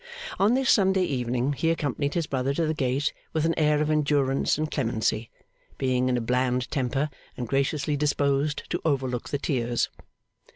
On this Sunday evening, he accompanied his brother to the gate with an air of endurance and clemency; being in a bland temper and graciously disposed to overlook the tears.